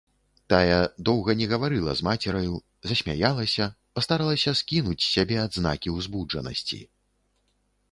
Тая доўга не гаварыла з мацераю, засмяялася, пастаралася скінуць з сябе адзнакі ўзбуджанасці.